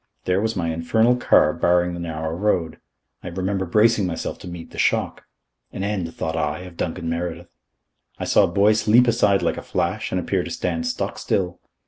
There was my infernal car barring the narrow road. I remember bracing myself to meet the shock. An end, thought I, of Duncan Meredyth. I saw Boyce leap aside like a flash and appear to stand stock still.